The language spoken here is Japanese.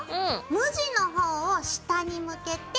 無地の方を下に向けて置きます。